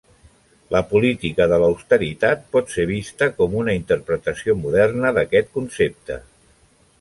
La política de l'austeritat pot ser vista com una interpretació moderna d'aquest concepte.